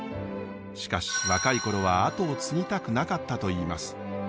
しかし若い頃は後を継ぎたくなかったといいます。